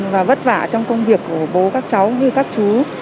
và vất vả trong công việc của bố các cháu như các chú